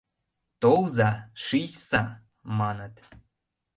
«Толза, шичса!» — маныт.